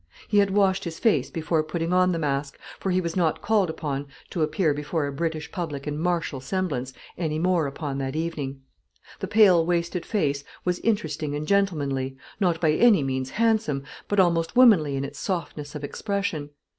He had washed his face before putting on the mask, for he was not called upon to appear before a British public in martial semblance any more upon that evening. The pale wasted face was interesting and gentlemanly, not by any means handsome, but almost womanly in its softness of expression.